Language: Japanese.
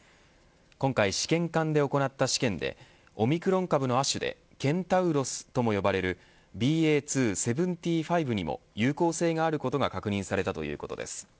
今回試験管で行った試験でオミクロン株の亜種でケンタウロスとも呼ばれるＢＡ．２．７５にも有効性があることが確認されたということです。